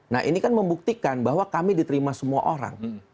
nah ini kan membuktikan bahwa kami diterima semua orang